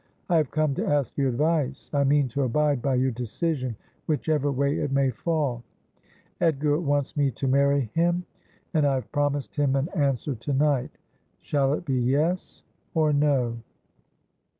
' I have come to ask your advice. I mean to abide by your decision, whichever way it may fall. Edgar wants me to marry him, and I have promised him an answer to night. Shall it be " Yes" or " No